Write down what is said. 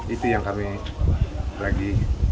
itu yang kami lagi